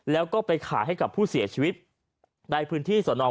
แล้วก็ไปขายให้กับผู้เสียชีวิตในพื้นที่สน